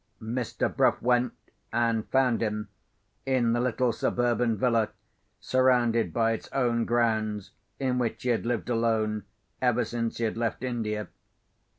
Mr. Bruff went, and found him, in the little suburban villa, surrounded by its own grounds, in which he had lived alone, ever since he had left India.